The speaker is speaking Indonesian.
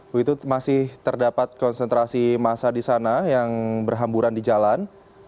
begitu masih terdapat konsentrasi masa di sana yang berhamburan di jalan